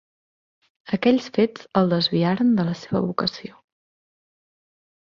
Aquells fets el desviaren de la seva vocació.